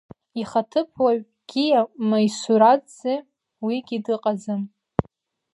Ихаҭыԥуаҩ Гиа Маисураӡе уигьы дыҟаӡам.